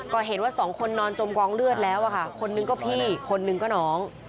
ก็เห็นว่าสองคนนอนจมกองเลือดแล้วอะค่ะคนนึงก็พี่คนนึงก็น้อง